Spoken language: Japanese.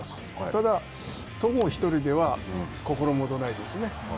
ただ、戸郷１人では心もとないですね。